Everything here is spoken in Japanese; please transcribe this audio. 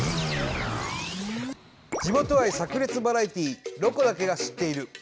地元愛さく裂バラエティー「ロコだけが知っている」。